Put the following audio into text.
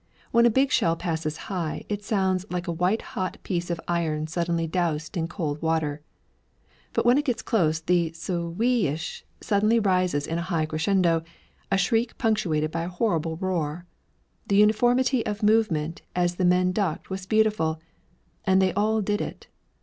When a big shell passes high, it sounds like a white hot piece of iron suddenly doused in cold water; but when it gets close, the sw i ish suddenly rises in a high crescendo, a shriek punctuated by a horrible roar. The uniformity of movement as the men ducked was beautiful and they all did it!